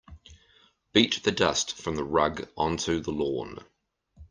Beat the dust from the rug onto the lawn.